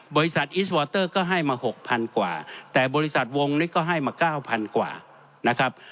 อิสวอเตอร์ก็ให้มาหกพันกว่าแต่บริษัทวงนี้ก็ให้มา๙๐๐กว่านะครับ